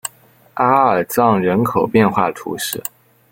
阿尔藏人口变化图示